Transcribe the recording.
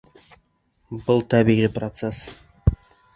Был — тәбиғи процесс.